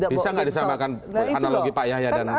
bisa gak disampaikan analogi pak yahya dan presiden